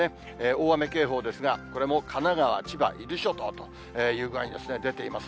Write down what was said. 大雨警報ですが、これも神奈川、千葉、伊豆諸島という具合に出ています。